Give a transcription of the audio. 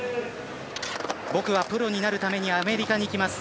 「僕はプロになるためにアメリカに行きます」。